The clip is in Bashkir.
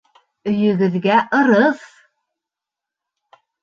Өйөгөҙгә ырыҫ!